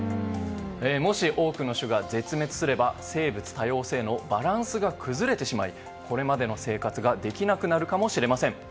もし多くの種が絶滅すれば生物多様性のバランスが崩れてしまいこれまでの生活ができなくなるかもしれません。